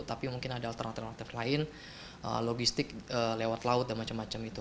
tapi mungkin ada alternatif alternatif lain logistik lewat laut dan macam macam itu